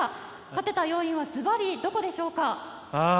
勝てた要因はずばりどこでしょうか。